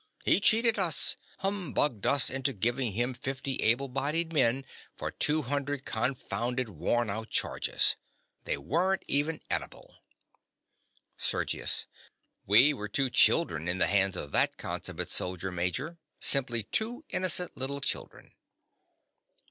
He cheated us—humbugged us into giving him fifty able bodied men for two hundred confounded worn out chargers. They weren't even eatable! SERGIUS. We were two children in the hands of that consummate soldier, Major: simply two innocent little children.